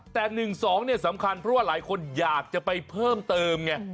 แต่๑๒เนี่ยสำคัญเพราะว่าหลายคนอยากจะไปเพิ่มเติมไง